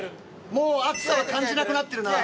もう熱さは感じなくなってるな。